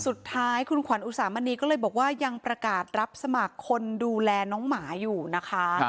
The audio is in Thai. สุดท้ายคุณขวัญอุสามณีก็เลยบอกว่ายังประกาศรับสมัครคนดูแลน้องหมาอยู่นะคะ